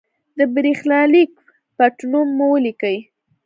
د برېښنالېک پټنوم مو ولیکئ.